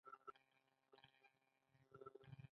آیا ایران نه غواړي چابهار پراخ کړي؟